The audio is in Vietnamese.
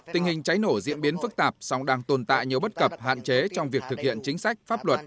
tình hình cháy nổ diễn biến phức tạp song đang tồn tại nhiều bất cập hạn chế trong việc thực hiện chính sách pháp luật